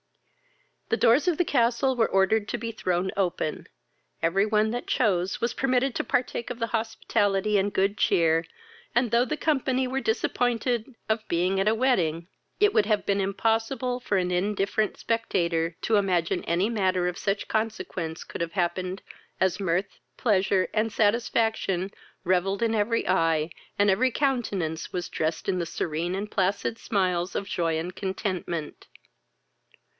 The doors of the Castle were ordered to be thrown open; every one that chose was permitted to partake of the hospitality and good cheer, and, though the company were disappointed of being at a wedding, it would have been impossible for an indifferent spectator to imagine any matter of such consequence could have happened, as mirth, pleasure, and satisfaction, revelled in every eye, and every countenance was drest in the serene and placid smiles of joy and contentment.